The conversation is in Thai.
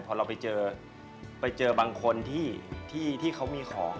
พอเราไปเจอไปเจอบางคนที่เขามีของ